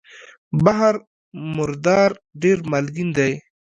بحر مردار ډېر مالګین دی.